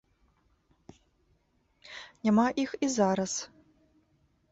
Няма іх і зараз.